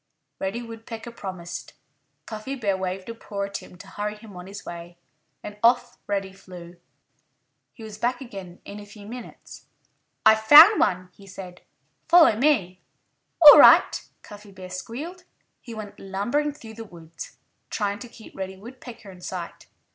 Reddy Woodpecker promised. Cuffy Bear waved a paw at him to hurry him on his way. And off Reddy flew. He was back again in a few minutes. "I've found one," he said. "Follow me!" "All right!" Cuffy Bear squealed. He went lumbering through the woods, trying to keep Reddy Woodpecker in sight.